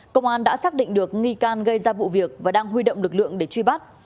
công an đã xác định được nghi can gây ra vụ việc và đang huy động lực lượng để truy bắt